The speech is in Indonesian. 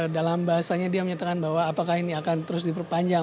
dalam bahasanya dia menyatakan bahwa apakah ini akan terus diperpanjang